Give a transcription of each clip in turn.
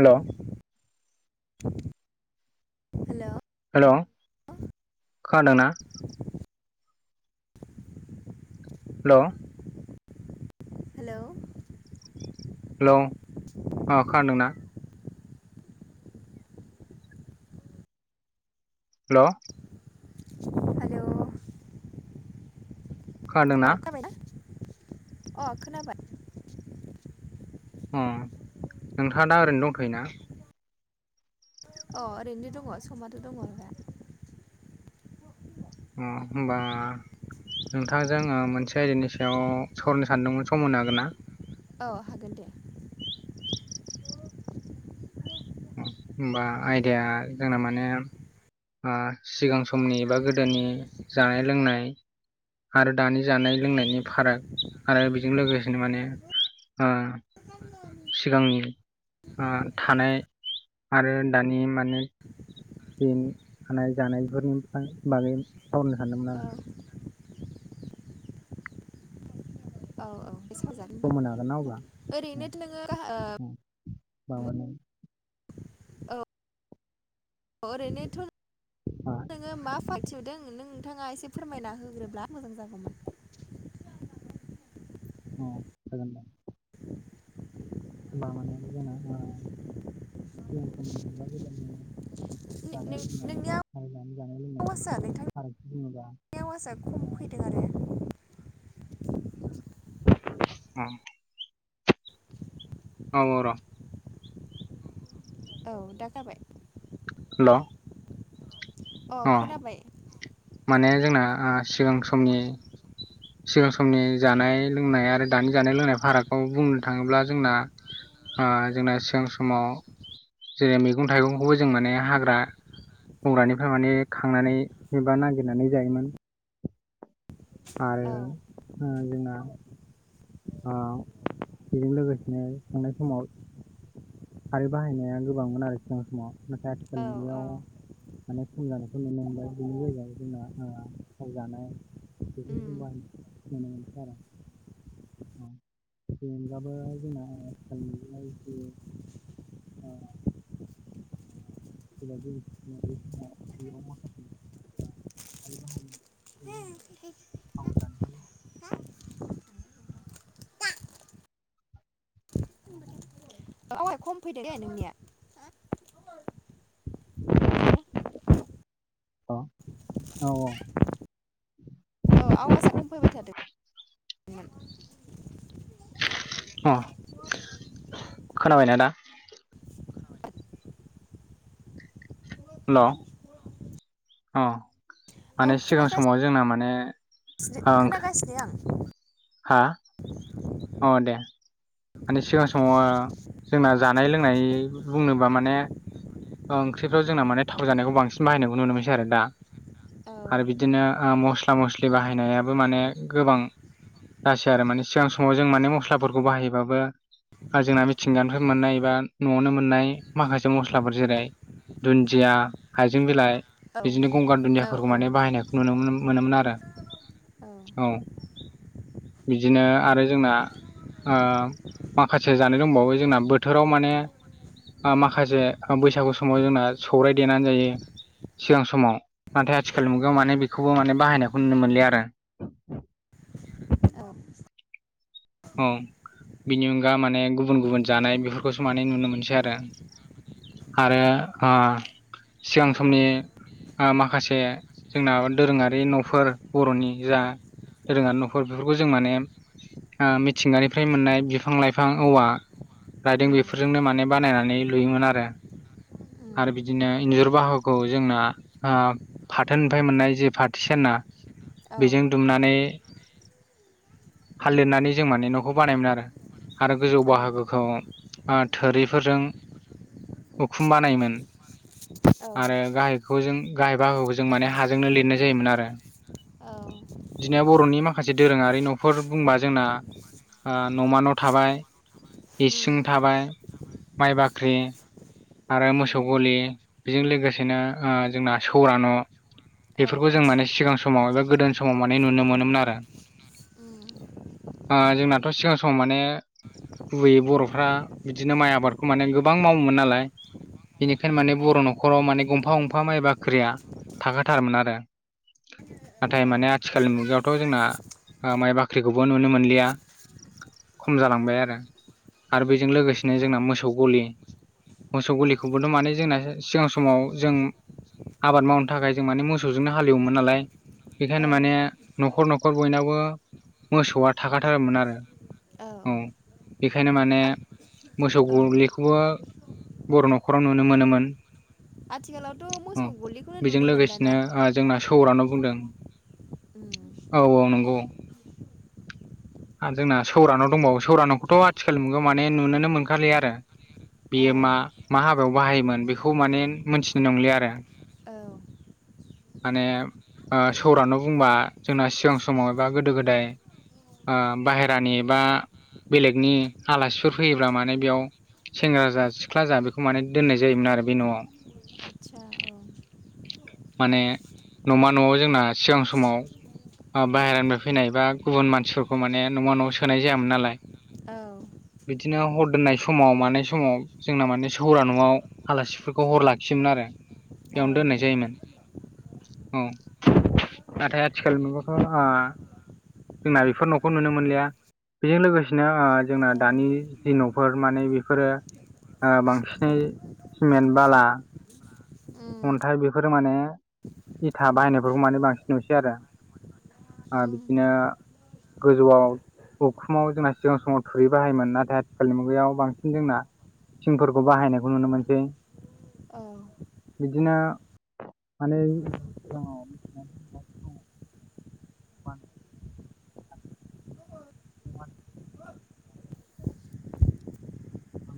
हेल' hello hello खोनादों ना? Hello hello hello अ खोनादोंना हेल' हेलौ खोनादोंना अ खोनाबायना अ खोनाबाय उम नोंथाङा दा ओरैनो दंथ'योना? अ ओरैनो दङ समाथ' दङ दा। उम होमबा नोंथांजों आं मोनसे आयदानि सायाव सावरायनो सानदोंमोन सम होनो हागोन ना? औ हागोन दे। होनबा आयदाया जोंना माने सिगां समनि बा गोदोनि जानाय लोंनाय आरो दानि जानाय लोंनायनि फाराग आरो बेजों लोगोसेनो माने ओ सिगांनि थानाय आरो दानि माने बेनि थानाय जानाय फोरनि बागै सावरायनो सानदोंमोन औ आरो। औ औ बेसाजागोन सम होनबा होनो हागोन ना अब्ला ओरैनोथ' नोङो गाहा ओ माबानि औ ओरैनोथ' नोङो मा फारागथि नुदों नों नोंथाङा एसे फोरमायना होग्रोब्ला मोजां जागौमोन? अह जागोनदे। दा माने जोंना ओ सिगां समनि एबा गोदोनि जानाय नोंनिया लोंनाय [inaudible] जानाय लोंनाय आवाजआ नोंथांनि फारागथि बुङोब्ला आवाजआ आरो खम दानि फैदों आरो। उम औ औ र' औ दा जाबाय हेल' अ खोनाबाय। माने जोंना सिगां समनि सिगां समनि जानाय लोंनाय आरो दानि जानाय लोंनाय फारागखौ बुंनो थाङोब्ला जोंना ओ जोंना सिगां समाव जे मैगं थाइगंखौ जों माने हाग्रा बंग्रानिफ्राय माने खांनानै एबा नागिरनानै जायोमोन। औ आरो जोंना ओ बेजों लोगोसेनो थांनाय समाव खारै बाहायनाया गोबांमोन आरो सिगां समाव नाथाय औ आथिखालनि औ मुगायाव माने खम जानायखौ नुनो मोनबाय बिनि जायगायाव जोंना ओ थाव जानाय उम बेफोरखौ जो बाहायनाय नुनो मोनसै आरो। उम जेनबाबो जोंना आजिखालि ओ [inaudible] [unintelligible] [unintelligible] खम फैदो दे नोंनिया हेल' औ औ औ औ आवाजआ खम फैबाय थादों अ खोनाबायना दा हेल' औ औ माने सिगां खोनागासिनो समाव जोंना माने गैया हा? अ दे माने सिगां समाव जोंना जानाय लोंनाय बुंनोबा माने ओंख्रिफ्राव जोंना माने थाव जानायखौ बांसिन बाहायनांगखौ नुनो मोनसै आरो दा आं। आरो बि बिदिनो मस्ला मस्लि बाहायनायाबो माने गोबां जासै आरो माने सिगां समाव जों माने मस्लाफोरखौ बाहायोबाबो जोंना मिथिंगानिफोर मोननाय बबा न'आवनो मोननाय माखासे मस्लाफोर जेरै दुन्दिया हाइजें बिलाइ औ बिदिनो गंगार औ दुन्दियाफोरखौ औ माने बाहायनायखौ नुनो मोनोमोन आरो औ बिदिनो आरो जोंना माखासे जानाय दंबावो जोंना बोथोराव माने माखासे बैसागु समाव जोंना सौरायाइ देनानै जायो सिगां समाव नाथाय आथिखालनि मुगायाव माने बेखौबो माने बाहायनायखौ नुनो मोनलि आरो औ औ बिनि अनगा माने गुबुन गुबुन जानाय बेफोरखौसो माने नुनो मोनसै आरो आरो सिगां औ समनि माखासे जोंना दोरोङारि न'फोर बर'नि जा रोङा न'खर बेफोरखौ जों माने मिथिंगानिफ्राय मोननाय बिफां लाइफां औवा रायदों उम बेफोरजोंनो माने बानायनानै लुयोमोन आरो उम आरो बिदिनो इन्जुर बाहुखौ जोंना फाथोनिफ्राय मोननाय जे फाथो सिना औ बेजों दुमनानै हाल लिरनानै जों माने न'खौ बानायोमोन आरो आरो गोजौ औ बाहागोखौ थोरिफोरजों उखुम बानायोमोन आरो गाहायखौ जों गाहाय बाहोखौ जों माने हाजोंनो लिरनाय जायोमोन आरो औ बिदिनिया बर'नि माखासे दोरोङारि न'फोर बुंबा जोंना न'म न' थाबाय उम इसिं थाबाय माइ बाख्रि आरो मोसौ गलि बेजों लोगोसेनो जोंना सौर न' औ बेफोरखौ औ जों माने सिगां समाव एबा गोदो समाव माने नुनो मोनोमोन आरो [unintelligible] जोंनाथ' सिगां सम माने गुबैयै बर'फ्रा बिदिनो माइ आबादखौ माने गोबां मावोमोन नालाय बेनिखायनो माने औ बर' न'खराव माने गंफा गंफा माइ बाख्रिया थाखाथारोमोन आरो नाथाय माने आथिखालनि मुगायावथ' जोंना माइ बाख्रिखौबो नुनो मोनलिया खम जालांबाय आरो आरो बेजों लोगोसेनो जोंना औ मोसौ गलि मोसौ गलिखौबोथ' माने जोंना सिगां समाव जों आबाद मावनो थाखाय जों माने मोसौजोंनो हालेवोमोन नालाय बेखायनो माने औ न'खर न'खर बयनावाबो मोसौआ थाखाथारोमोन आरो औ बेखायनो माने आथ मोसौ औ गलिखौबो बर' न'खराव नुनो मोनोमोन आथिखालावथ' औ मोसौ गलिखौनो बेजों नुनो लोगोसेनो मोनदाना ओ जोंना सौरानोाव बुंदों उम औ औ नंगौ जोंना सौरानाव दंबावो सौरान'खौथ' आथिखाल नुगो माने नुनोनो मोनखालि आरो औ बियो मा मा हाबायाव बाहायोमोन बेखौ माने मोनथिनाय नंलि आरो औ मानि सौरानो बुंबा जोंना सिगां समाव एबा गोदो गोदाय बाहहेरानि एबा बेलेगनि आलासिफोर फैयोब्ला माने बेयाव सेंग्रा जा सिख्ला जा बेखौ माने दोननाय जायोमोन आरो बे न'आव आचचा औ माने न'मा न'आव जोंना सिगां समाव बाहेरानिफ्राय फैनाय बा गुबुन मानसिफोरखौ माने न' न'आव सोनाय जायामोन नालाय औ बिदिनो हर दोननाय समाव मानाय समाव जोंना माने सौरा न'आव आलासिफोरखौ हर लाखियोमोन आरो औ बेयावनो दोननाय जायोमोन। औ नाथाय आथिखाल जोंना बेफोर न'खौ नुनो मोनलिया बेजों लोगोसेनो जोंना औ दानि जि न'फोर माने बेफोरो बांसिनै सिमेन्ट बाला उम अन्थाइ बेफोर फोर माने इथा बाहायनायफोरखौ माने बांसिन नुसै आरो उम बिदिनो गोजौआव उखुमाव जोंना सिगां समाव थुरि बाहायोमोन नाथाय आथिखालनि मुगायाव बांसिन जोंना थिंफोरखौ बाहायनायखौ नुनो मोनसै बिदिनो माने [unintelligible] [inaudible] आ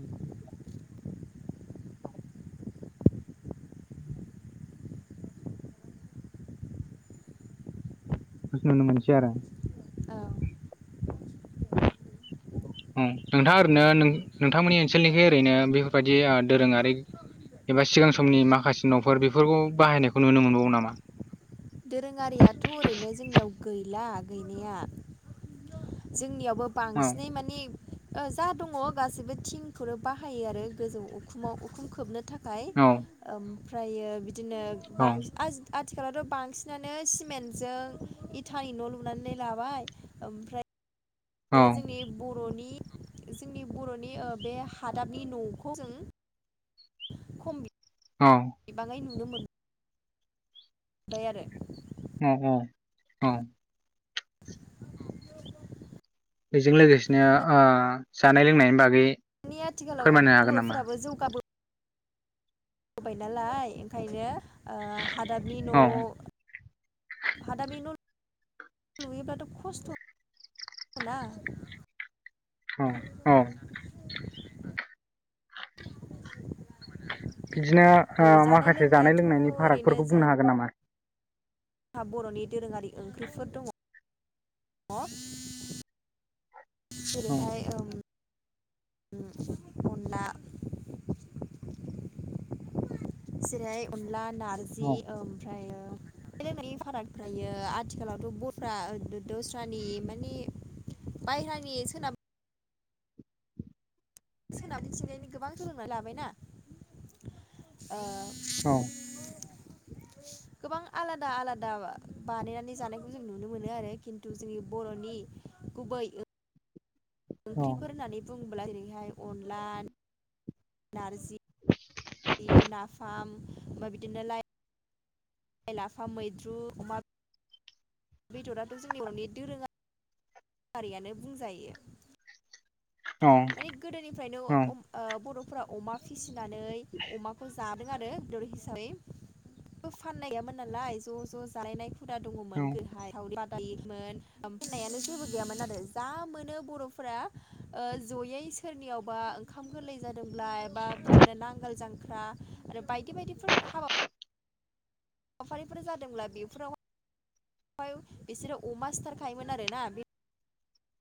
उम नुनो मोनसै आरो। औ औ नोंथाङा ओरैनो नोंथांमोननि ओनसोलनिखौ ओरैनो बेफोरबायाददि दोरोङारि एबा सिगां समनि माखासे न'फोर बेफोरखौ बाहायनायखौ नुनो मोनबावो नामा दोरोङारियाथ' ओरैनो जोंनियाव गैला गैनाया जोंनियावबो औ बांसिनै माने जा दङ गाैबो थिंखौनो बाहायो आरो गोजौ उखुमाव उखुम खोबनो थाखाय ओमफ्रायो बिदिनो औ बांसिन आथिखालथ' बांसिन बांसिनानो सिमेन्टजों इटानि न' लुनानै लाबाय ओमफ्राय औ दायो जोंनि बर'नि जोंनि बर'नि बे हादाबनि न'खौ जों खमबि औ गोबाङै नुनो मोनो। जबाय आरो [inaudible] बेजों लोगोसेनो जानाय लोंनायनि बागै दानि आथिखालाव फोरमायनो हागोन नामा? बर'फोराबो जौ होबाय नालाय ओंखायनो हादाबनि औ न' [unintelligible] लुयोबाथ' खस्थ' ना औ ओं। बिदिनो औ ओ माखासे जानाय लोंनायाथ' लोंनायनि ओरैनो फारागफोरखौ बुंनो हागोन नामा? जोंहा बर'नि दोरोङारि ओंख्रिफोर दङ। [unintelligible] औ जेरैहाय उम्म उम्म अनला जेरैहाय अनला नारजि औ ओमफ्रायो गेलेनायनि फारागफ्रायो आथिखालावथ' बर'फ्रा दस्रानि माने बायहेरानि सोनाब सोनाब दिन्थिंनायनि गोबां सोलोंना लाबायना औ [inaudible] [unintelligible] गोबां आलादा आलादा बानायनानै जानायखौ जों नुनो मोनो आरो खिन्थु जोंनि बर'नि गुबै औ ओंख्रिफोर होननानै बुङोब्ला ओरैहाय अनला नारजि [unintelligible] नाफाम ओमफ्राय बिदिनो लाइ [unintelligible] लाफा मैद्रु अमा बेदराथ' जोंनि बर'नि दोरोङारियानो बुंजायो। औ माने गोदोनिफ्रायनो औ अम ओ बर'फोरा अमा फिसिनानै अमाखौ जादों आरो बेदर हिसाबै। फाननाय गैयामोन नालाय ज' ज' जालायनाय हुदा औ दङमोन गोदोहाय सावरि बा [unintelligible] मोन [inaudible] होननायानो जेबो गैयामोन आरो जा मोनो बर'फोरा ओ जयै सोरनियावबा खाम गोरलै जादोंब्ला एबा बिदिनो नांगोल जांख्रा आरो बायदि बायदिफोर हाबा हाबाफारिफोर जादोंब्ला बेफोराव [unintelligible] बिसोरो अमा सिथारखायोमोन आरो ना बे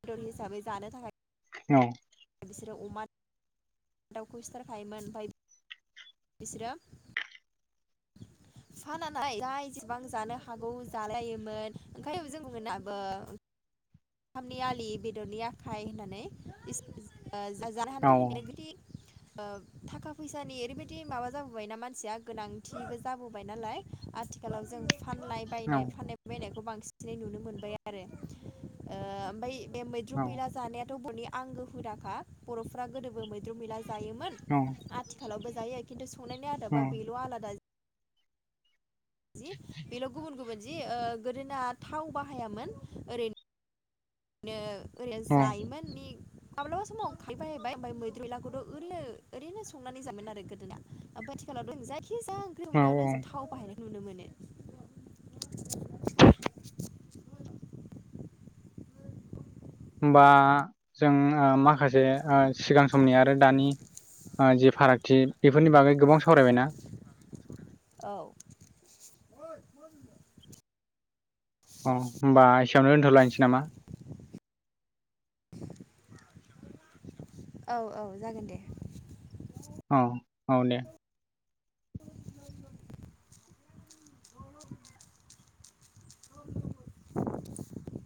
दर हिसाबै जानो थाखाय। औ। बिसोरो अमा दाउखौ सिथारायोमोन ओमफ्राय बिसोरो फाना नालाय जाय जेसेबां जानो हागौ जालायोमोन ओंखाय जों बुंङो [unintelligible] ओंखामनि आलि बेदरनि आखाइ होननानै ओ जा-जानो औ हागौ होननाया बिदि ओ थाखा फैसानि ओरैबायदि माबा जाबोबायना मानसिया गोनांथिबो जाबोबाय नालाय आथिखालाव जों फानलाय बायनाय औ फाननाय बायनायखौ बांसिनै नुनो मोनबाय आरो। ओ ओमफ्राय बे मैद्रु मैदा जानायाथ' बर'नि आंगो हुदाखा बर'फ्रा गोदोबो मैद्रु मैला जायोमोन। औ। आथिखालावबो जायो खिन्थु संनायनि आदाब बा बेल' आलादा जि बेल' गुबुन गुबुन जि ओ गोदोना थाव बाहायामोन ओरैनो नो ओरैनो औ जायोमोन बि माब्लाबा समाव खायफाहैबाय ओमफ्राय मैद्रु मैलाखौथ' ओरैनो ओरैनो संनानै जामोन आरो गोदोना। ओमफ्राय आथिखालावथ' जायखिजाया ओंख्रि संनायावनो औ जों थाव बाहायनायखौ नुनो मोनो। होमबा जों ओ माखासे ओ सिगां समनि आरो दानि ओ जि फारागथि बेफोरनि बागै गोबां सावरायबायना? औ। अ होमबा एसेयावनो दोनथ'लांनोसै नामा? औ औ जागोन दे। औ औ दे। [inaudible]